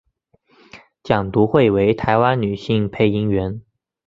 蒋笃慧为台湾女性配音员。